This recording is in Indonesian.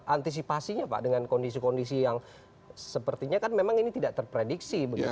antisipasinya pak dengan kondisi kondisi yang sepertinya kan memang ini tidak terprediksi begitu